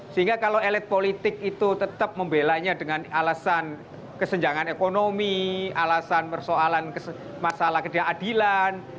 sehingga kalau elit politik itu tetap membelanya dengan alasan kesenjangan ekonomi alasan persoalan masalah ketidakadilan